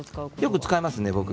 よく使いますね。